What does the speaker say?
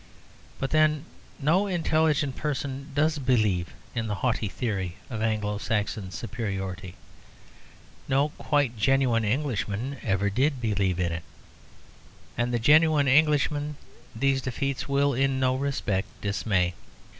But, then, no intelligent person does believe in the haughty theory of Anglo Saxon superiority. No quite genuine Englishman ever did believe in it. And the genuine Englishman these defeats will in no respect dismay.